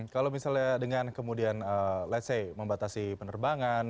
kalau misalnya dengan kemudian let's say membatasi penerbangan